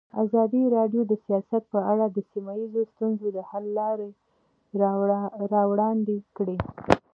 ازادي راډیو د سیاست په اړه د سیمه ییزو ستونزو حل لارې راوړاندې کړې.